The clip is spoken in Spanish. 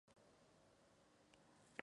Esteban sobrevivió a Isabel.